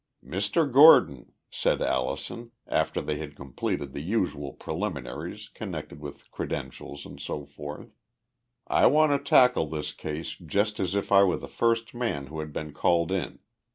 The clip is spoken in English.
"Mr. Gordon," said Allison, after they had completed the usual preliminaries connected with credentials and so forth, "I want to tackle this case just as if I were the first man who had been called in.